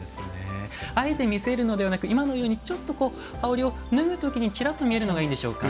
あえて見せるのではなく今のようにちょっと羽織を脱ぐときにチラッと見えるのがいいんでしょうか。